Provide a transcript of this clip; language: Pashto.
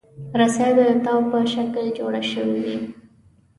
رسۍ د تاو په شکل جوړه شوې وي.